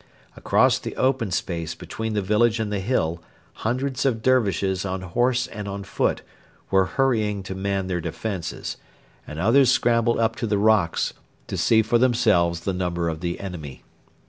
Across the open space between the village and the hill hundreds of Dervishes on horse and on foot were hurrying to man their defences, and others scrambled up the rocks to see for themselves the numbers of the enemy.